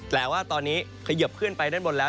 แต่ว่าตอนนี้เขยิบขึ้นไปด้านบนแล้ว